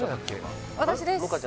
私です